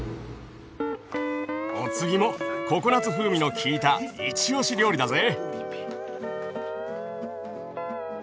お次もココナツ風味のきいたいちおし料理だぜ！